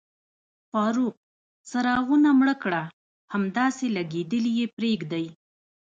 فاروق، څراغونه مړه کړه، همداسې لګېدلي یې پرېږدئ.